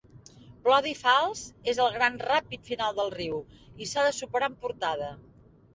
Bloody Falls és el gran ràpid final del riu, i s'ha de superar amb portada.